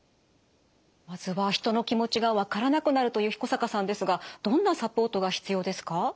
まずは人の気持ちがわからなくなるという彦坂さんですがどんなサポートが必要ですか？